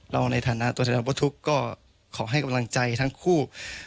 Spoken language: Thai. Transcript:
เราในฐานะตัวแทนลพทุกข์ก็ขอให้กำลังใจทั้งคู่